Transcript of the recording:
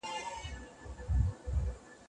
ابن بطوطه يو نړيوال سيلاني و.